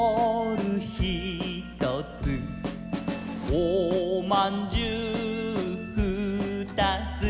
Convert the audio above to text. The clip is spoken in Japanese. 「おまんじゅうふーたつ」